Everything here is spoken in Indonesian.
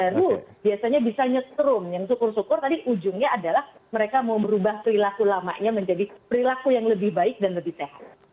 dan biasanya bisa nyetrum yang syukur syukur tapi ujungnya adalah mereka mau berubah perilaku lamanya menjadi perilaku yang lebih baik dan lebih sehat